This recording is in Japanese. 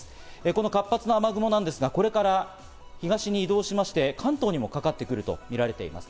この活発な雨雲ですが、これから東に移動しまして、関東にもかかってくるとみられます。